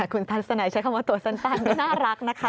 คุณสันสนัยใช้คำว่าตัวสั้นน่ารักนะครับ